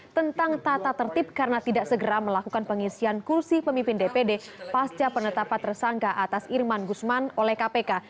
tentang tata tertib karena tidak segera melakukan pengisian kursi pemimpin dpd pasca penetapan tersangka atas irman gusman oleh kpk